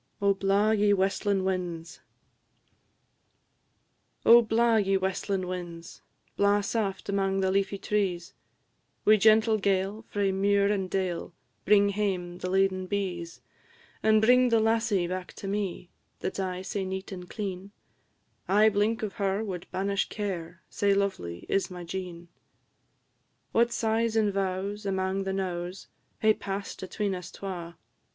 OH, BLAW, YE WESTLIN' WINDS! Oh, blaw, ye westlin' winds, blaw saft Amang the leafy trees! Wi' gentle gale, frae muir and dale, Bring hame the laden bees; And bring the lassie back to me, That 's aye sae neat and clean; Ae blink of her wad banish care, Sae lovely is my Jean. What sighs and vows, amang the knowes, Hae pass'd atween us twa!